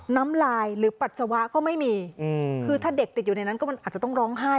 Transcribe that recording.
น้ำลายหรือปัสสาวะก็ไม่มีคือถ้าเด็กติดอยู่ในนั้นก็มันอาจจะต้องร้องไห้